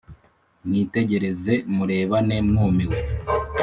Mwitegereze, murebane mwumiwe!